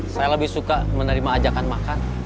saya lebih suka menerima ajakan makan